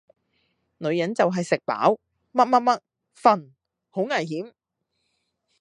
女人就系食飽、乜乜乜、瞓!好危險!